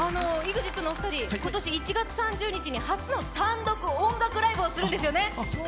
ＥＸＩＴのお二人、今年１月３０日に初の単独ライブをするんですよね。